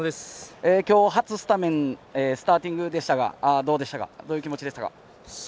今日、初スタメンスターティングでしたがどうでしたかどういう気持ちでしたか。